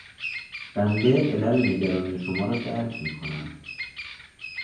بنده علل نگرانی شما را درک میکنم.